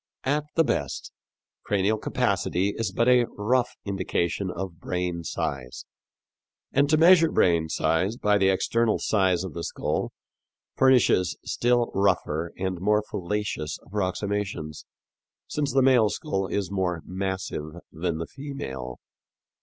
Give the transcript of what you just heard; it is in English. "At the best, cranial capacity is but a rough indication of brain size; and to measure brain size by the external size of the skull furnishes still rougher and more fallacious approximations, since the male skull is more massive than the female."